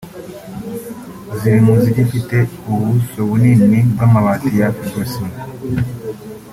ziri mu zigifite ubuso bunini bw’amabati ya fibrociment